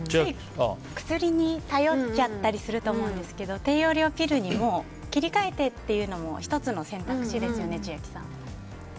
薬に頼っちゃったりすると思うんですけど低用量ピルにも切り替えてっていうのも１つの選択肢ですよね、千秋さん。